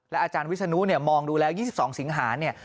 อาจารย์วิศนุเนี่ยมองดูแล้ว๒๒สิงหาเนี่ย